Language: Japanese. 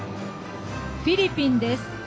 フィリピンです。